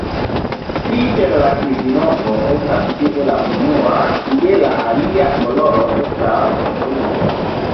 Inter la kvinopo estas tiu la unua, kie la alia koloro estas bluo.